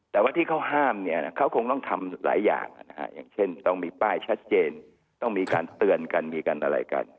แต่ว่าที่เขาห้ามเนี่ยเขาคงต้องทำหลายอย่างอย่างเช่นต้องมีป้ายชัดเจนต้องมีการเตือนกันมีการอะไรกัน